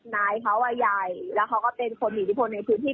นายเขาไอด์ไยด์แล้วเขาก็เป็นคนหินผลในพื้นที่